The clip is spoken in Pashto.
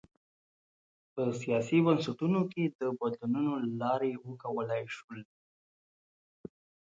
په سیاسي بنسټونو کې د بدلونونو له لارې وکولای شول.